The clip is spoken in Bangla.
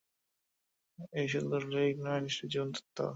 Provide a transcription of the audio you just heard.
এ শুধু লিরিক নয়, এ নিষ্ঠুর জীবনতত্ত্ব।